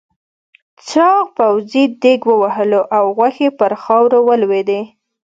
چاغ پوځي دېگ ووهلو او غوښې پر خاورو ولوېدې.